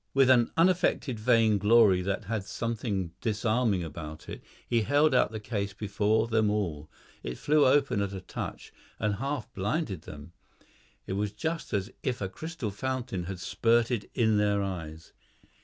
With an unaffected vain glory that had something disarming about it he held out the case before them all; it flew open at a touch and half blinded them. It was just as if a crystal fountain had spurted in their eyes.